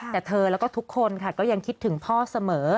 แต่เธอแล้วก็ทุกคนค่ะก็ยังคิดถึงพ่อเสมอ